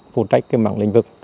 phụ trách mạng lĩnh vực